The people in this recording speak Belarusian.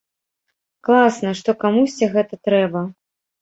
Класна, што камусьці гэта трэба.